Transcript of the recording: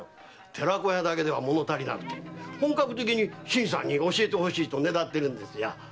寺子屋だけではもの足りず本格的に新さんに教えてほしいとねだるんですよ。